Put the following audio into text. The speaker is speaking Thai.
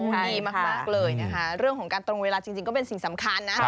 ดีมากเลยนะคะเรื่องของการตรงเวลาจริงก็เป็นสิ่งสำคัญนะ